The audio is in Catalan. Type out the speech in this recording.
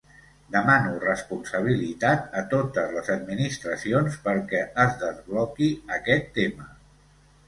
Demano responsabilitat a totes les administracions perquè es desbloqui aquest tema.